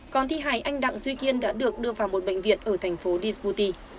còn thi hài anh đặng duy kiên đã được đưa vào một bệnh viện ở thành phố desputi